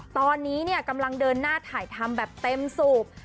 ตอนนี้กำลังเดินหน้าถ่ายทำแบบเต็มสูบ